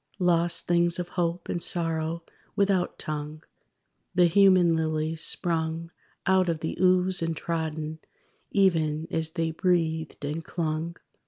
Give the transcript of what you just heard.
Lost things of hope and sorrow without tongue: The human lilies, sprung Out of the ooze, and trodden, Even as they breathed and clung!